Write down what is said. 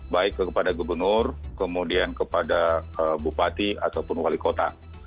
baik kepada gubernur kemudian kepada bupati ataupun wali kota